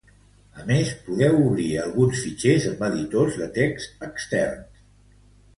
A més, podeu obrir alguns fitxers amb editors de text externs.